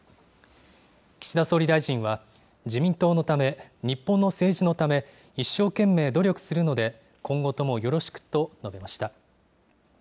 岸田総理大臣は、自民党のため、日本の政治のため、一生懸命努力するので、今後ともよろしくと述べました。